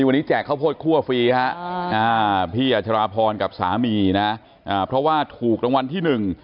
วันนี้แจกข้าวโพดคั่วฟรีฮะอ่าพี่อัชราพรกับสามีนะเพราะว่าถูกรางวัลที่หนึ่ง